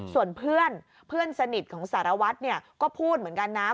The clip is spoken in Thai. ส่วนเพื่อนสนิทของสารวัฒน์ก็พูดเหมือนกันนะ